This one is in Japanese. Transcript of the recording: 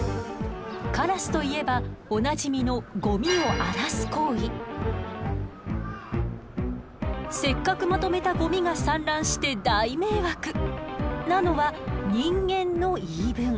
カラスといえばおなじみのせっかくまとめたゴミが散乱して大迷惑！なのは人間の言い分。